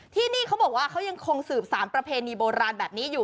ที่นี่เขาบอกว่าเขายังคงสืบสารประเพณีโบราณแบบนี้อยู่